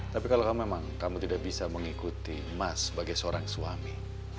tapi kalau kamu memang kamu tidak bisa mengikuti mas sebagai seorang suami